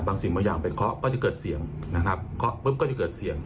สิ่งบางอย่างไปเคาะก็จะเกิดเสียงนะครับเคาะปุ๊บก็จะเกิดเสียง